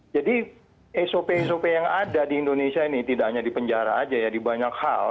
jadi sop sop yang ada di indonesia ini tidak hanya di penjara aja ya di banyak hal